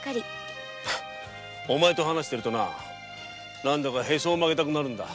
お前と話してるとな何だかヘソを曲げたくなるんだ。